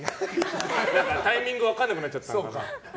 タイミング分かんなくなっちゃったのかな。